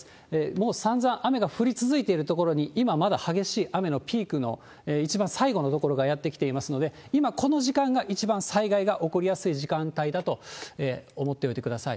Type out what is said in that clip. もうさんざん雨が降り続いている所に、今まだ激しい雨のピークの一番最後のところがやって来ていますので、今、この時間が一番災害が起こりやすい時間帯だと思っておいてください。